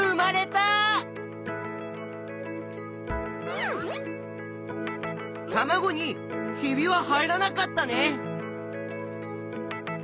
たまごに「ひび」は入らなかったね。